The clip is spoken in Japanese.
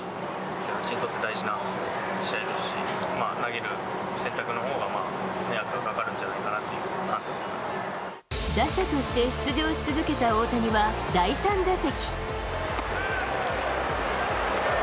うちにとって大事な試合ですし、投げる選択のほうが迷惑がかかる打者として出場し続けた大谷は、第３打席。